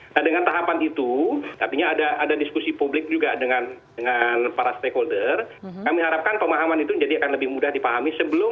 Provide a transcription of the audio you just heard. nah dengan tahapan itu artinya ada diskusi publik juga dengan para stakeholder kami harapkan pemahaman itu jadi akan lebih mudah dipahami sebelum